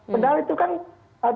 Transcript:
padahal itu kan tidak ada